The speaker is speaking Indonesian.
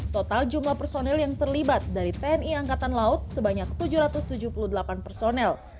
total jumlah personil yang terlibat dari tni angkatan laut sebanyak tujuh ratus tujuh puluh delapan personel